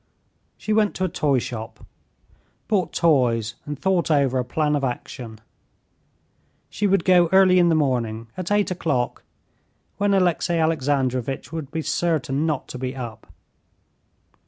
She went to a toy shop, bought toys and thought over a plan of action. She would go early in the morning at eight o'clock, when Alexey Alexandrovitch would be certain not to be up.